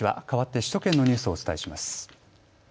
かわって首都圏のニュースをお伝えします。